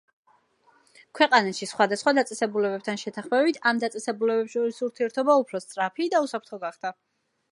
ქვეყანაში სხვადასხვა დაწესებულებებთან შეთანხმებით, ამ დაწესებულებებს შორის ურთიერთობა უფრო სწრაფი და უსაფრთხო გახდა.